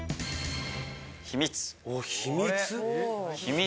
秘密。